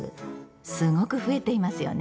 すごく増えていますよね。